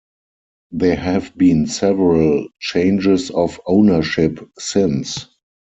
There have been several changes of ownership since.